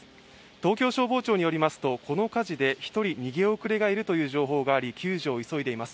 東京消防庁によりますと、この火事で１人、逃げ遅れがいるとして救助を急いでいます。